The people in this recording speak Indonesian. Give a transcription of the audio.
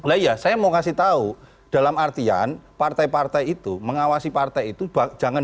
lah ya saya mau kasih tahu dalam artian partai partai itu mengawasi partai itu jangan